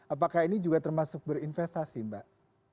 apakah ini juga termasuk berinvestasi mbak